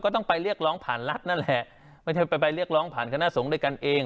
ต้องไปเรียกร้องผ่านรัฐนั่นแหละไม่ใช่ไปเรียกร้องผ่านคณะสงฆ์ด้วยกันเอง